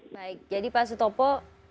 baik jadi pak setopo